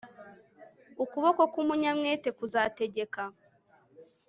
ukuboko k'umunyamwete kuzategeka